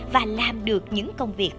và làm được những công việc